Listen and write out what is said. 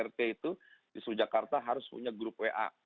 jadi tiap rt itu di seluruh jakarta harus punya grup wa